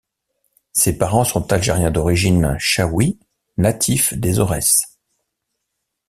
Ses parents sont Algériens d'origine chaouie, natifs des Aurès.